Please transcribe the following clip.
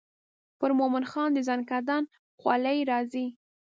پر مومن خان د زکندن خولې راځي.